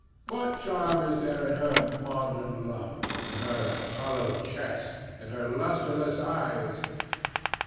What charm is there in her maudlin love, in her hollow chest, in her lusterless eyes?